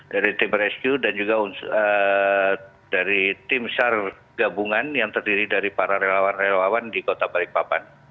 dari tim rescue dan juga dari tim sar gabungan yang terdiri dari para relawan relawan di kota balikpapan